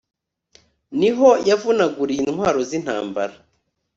ni ho yavunaguriye intwaro z'intambara